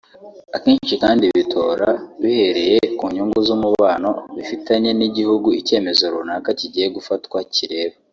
Akenshi kandi bitora bihereye ku nyungu z’umubano bifitanye n’igihugu icyemezo runaka kigiye gufatwa kireba